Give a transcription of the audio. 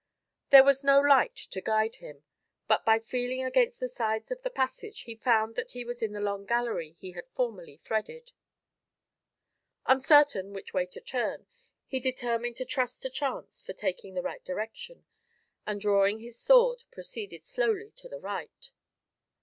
There was no light to guide him, but by feeling against the sides of the passage, he found that he was in the long gallery he had formerly threaded. Uncertain which way to turn, he determined to trust to chance for taking the right direction, and drawing his sword, proceeded slowly to the right.